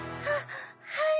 はい。